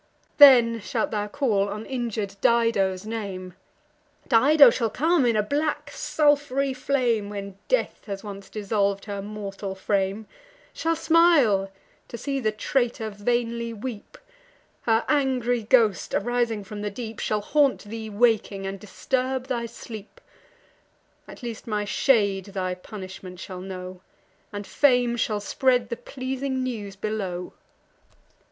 Then shalt thou call on injur'd Dido's name: Dido shall come in a black sulph'ry flame, When death has once dissolv'd her mortal frame; Shall smile to see the traitor vainly weep: Her angry ghost, arising from the deep, Shall haunt thee waking, and disturb thy sleep. At least my shade thy punishment shall know, And Fame shall spread the pleasing news below."